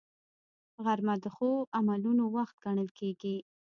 غرمه د ښو عملونو وخت ګڼل کېږي